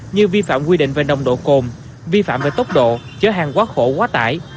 như vi phạm quy định về nồng độ cồn vi phạm về tốc độ chở hàng quá khổ quá tải